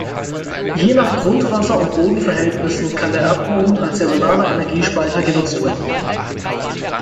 Je nach Grundwasser- und Bodenverhältnissen kann der Erdboden als saisonaler Energiespeicher genutzt werden.